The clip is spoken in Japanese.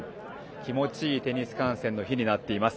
気持ちいいテニス観戦の日となっています。